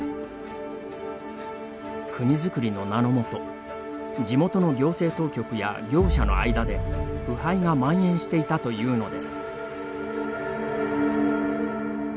国づくりの名の下地元の行政当局や業者の間で腐敗がまん延していたというのです。